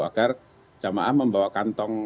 agar jemaah membawa kantong